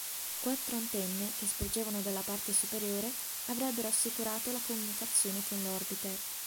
Quattro antenne, che sporgevano dalla parte superiore, avrebbero assicurato la comunicazione con l'orbiter.